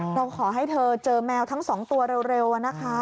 เราขอให้เธอเจอแมวทั้ง๒ตัวเร็วนะคะ